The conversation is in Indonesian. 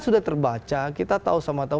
sudah terbaca kita tahu sama tahu